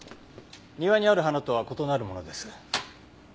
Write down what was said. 庭にある花とは異なるものです。